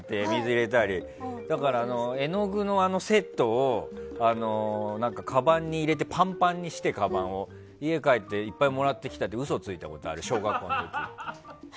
だから絵の具のセットをかばんに入れてかばんをぱんぱんにして家に帰っていっぱいもらってきたって嘘ついたことある、小学校の時。